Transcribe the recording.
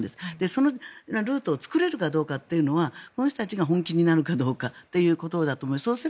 そのルートを作れるかどうかというのはこの人たちが本気になるかどうかということだと思います。